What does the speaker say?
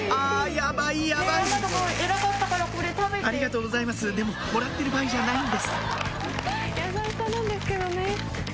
やばいありがとうございますでももらってる場合じゃないんです優しさなんですけどね。